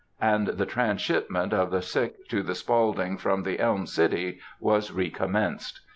"—and the transshipment of the sick to the Spaulding from the Elm City was recommenced.